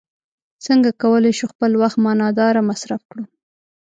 څنګه کولی شو خپل وخت معنا داره مصرف کړو.